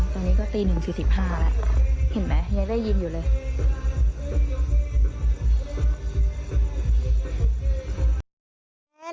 ตอนนี้ก็ตี๑๔๕แล้ว